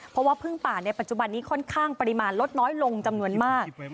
เพราะว่าพึ่งป่าในปัจจุบันนี้ค่อนข้างปริมาณลดน้อยลงจำนวนมาก